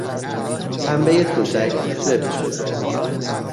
پنبهی تشک سفت شده است.